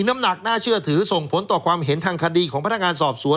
น้ำหนักน่าเชื่อถือส่งผลต่อความเห็นทางคดีของพนักงานสอบสวน